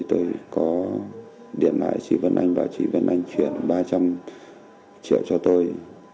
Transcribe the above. tôi có điện lại chị vân anh và chị vân anh chuyển ba trăm linh triệu cho tôi